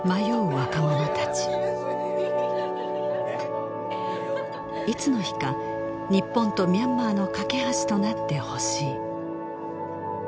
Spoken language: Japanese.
若者達いつの日か日本とミャンマーの懸け橋となってほしい